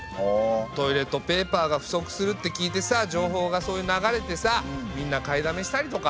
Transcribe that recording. トイレットペーパーが不足するって聞いてさ情報がそういう流れてさみんな買いだめしたりとか。